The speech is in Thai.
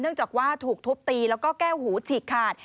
จากว่าถูกทุบตีแล้วก็แก้วหูฉีกขาด